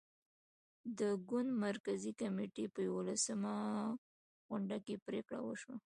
د ګوند مرکزي کمېټې په یوولسمه غونډه کې پرېکړه وشوه.